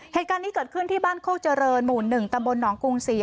เหตุการณ์นี้เกิดขึ้นที่บ้านโคกเจริญหมู่๑ตำบลหนองกรุงศรี